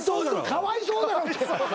かわいそうだろって